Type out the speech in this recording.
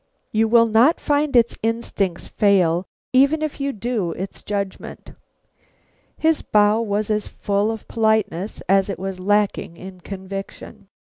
"You will not find its instincts fail even if you do its judgment." His bow was as full of politeness as it was lacking in conviction.